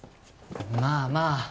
まあまあ